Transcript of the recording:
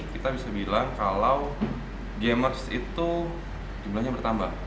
kita bisa bilang kalau gamers itu jumlahnya bertambah